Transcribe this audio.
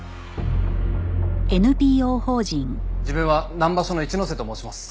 自分は南葉署の一ノ瀬と申します。